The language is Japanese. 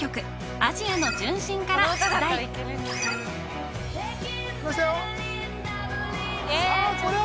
「アジアの純真」から出題きましたよさあ